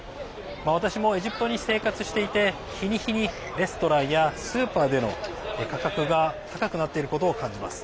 私もエジプトに生活していて日に日にレストランやスーパーでの価格が高くなっていることを感じます。